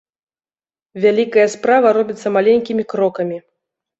Вялікая справа робіцца маленькімі крокамі.